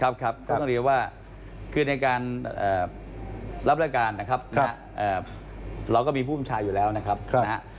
ก็ต้องเรียกว่าคือในการรับรายการนะครับเราก็มีผู้บัญชาอยู่แล้วนะครับ